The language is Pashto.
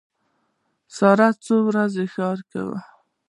ساره څو ورځې ښار کې وه.